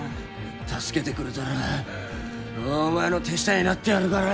助けてくれたらお前の手下になってやるから。